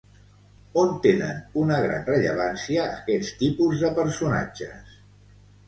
On tenen una gran rellevància aquests tipus de personatges?